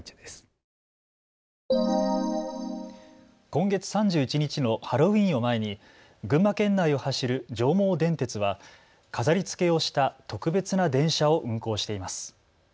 今月３１日のハロウィーンを前に群馬県内を走る上毛電鉄は飾りつけをした特別な電車を運行しています。